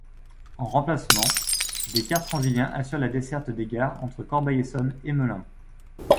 En remplacement, des cars Transilien assurent la desserte des gares entre Corbeil-Essonnes et Melun.